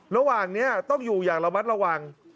ระหว่างนี้ต้องอยู่อย่างระมัดระวัง